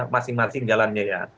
masing masing jalannya ya